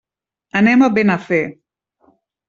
Anem a Benafer.